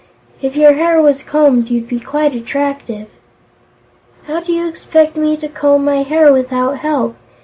If your hair was combed, you'd be quite attractive." "How do you expect me to comb my hair without help?"